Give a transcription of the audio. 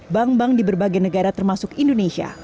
bank bank di berbagai negara termasuk indonesia